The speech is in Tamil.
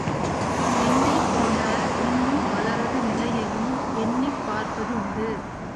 என்னைப் போன்ற இன்னும் பலரது நிலையையும் எண்ணிப் பார்ப்பதுண்டு.